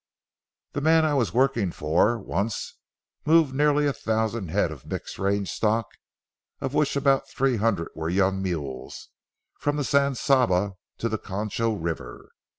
"The man I was working for once moved nearly a thousand head of mixed range stock, of which about three hundred were young mules, from the San Saba to the Concho River.